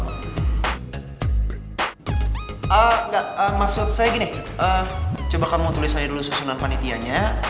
enggak maksud saya gini coba kamu tulis saya dulu susunan panitianya